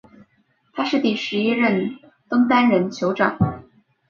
他是第十一任登丹人酋长。